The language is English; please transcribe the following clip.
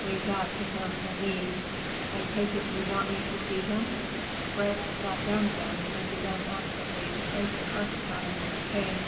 "Leave that to him and me. I take it you want me to see him?" Fred sat down again and began absently to trace the carpet pattern with his cane.